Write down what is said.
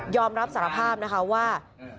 อมรับสารภาพนะคะว่า